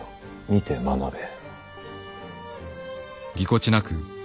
見て学べ。